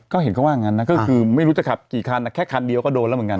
ก็เห็นเขาว่างั้นนะก็คือไม่รู้จะขับกี่คันแค่คันเดียวก็โดนแล้วเหมือนกัน